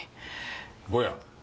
ぼや？